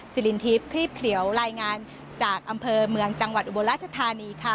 สิลินทรีฟพี่เพลียวรายงานจากอำเภอเมืองจังหวัดอุโบราชธานีค่ะ